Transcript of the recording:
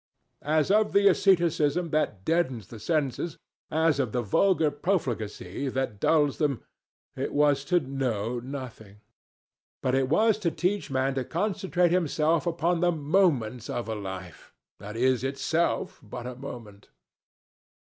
Of the asceticism that deadens the senses, as of the vulgar profligacy that dulls them, it was to know nothing. But it was to teach man to concentrate himself upon the moments of a life that is itself but a moment.